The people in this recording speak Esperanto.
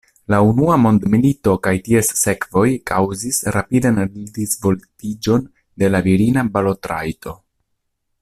La unua mondmilito kaj ties sekvoj kaŭzis rapidan disvolviĝon de la virina balotrajto.